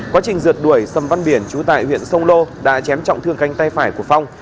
quá trình rượt đuổi sầm văn biển chú tại huyện sông lô đã chém trọng thương tay phải của phong